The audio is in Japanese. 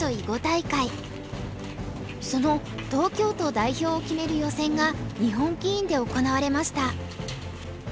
その東京都代表を決める予選が日本棋院で行われました。